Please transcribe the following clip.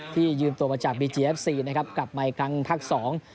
ยืมตัวมาจากบีจีเอฟซีนะครับกลับมาอีกครั้งภาคสอง